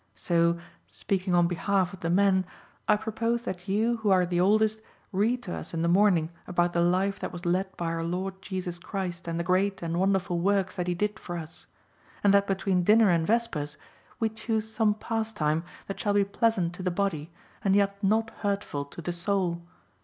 So, speaking on behalf of the men, I propose that you, who are the oldest, read to us in the morning about the life that was led by Our Lord Jesus Christ and the great and wonderful works that He did for us; and that between dinner and vespers we choose some pastime that shall be pleasant to the body and yet not hurtful to the soul.